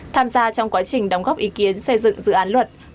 tham gia trong quá trình đóng góp ý kiến xây dựng dự án luật